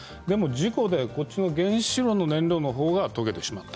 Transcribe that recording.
事故で原子炉の燃料の方が溶けてしまった。